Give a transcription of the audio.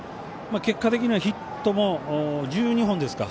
結果的にはヒットも１２本ですか。